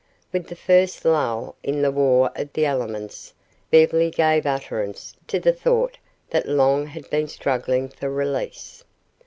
With the first lull in the war of the elements, Beverly gave utterance to the thought that long had been struggling for release.